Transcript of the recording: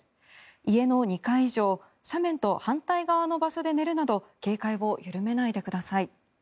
家の２階以上斜面と反対側の場所で寝るなど警戒を緩めないでください。